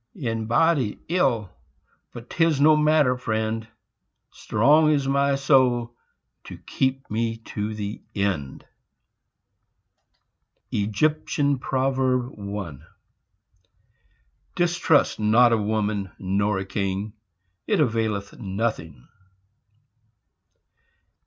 "In body ill, but 'tis no matter, friend, Strong is my soul to keep me to the end." DISTRUST not a woman nor a king it availeth nothing.